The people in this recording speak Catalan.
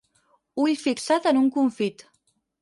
Ull fixat en un confit.